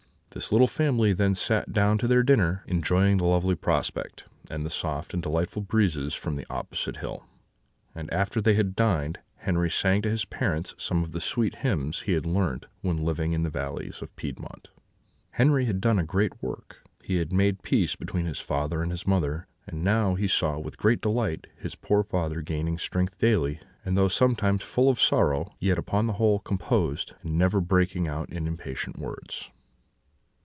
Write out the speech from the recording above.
This little family then sat down to their dinner, enjoying the lovely prospect, and the soft and delightful breezes from the opposite hill; and after they had dined, Henri sang to his parents some of the sweet hymns he had learnt when living in the valleys of Piedmont. "Henri had done a great work; he had made peace between his father and his mother; and now he saw, with great delight, his poor father gaining strength daily; and though sometimes full of sorrow, yet upon the whole composed, and never breaking out in impatient words.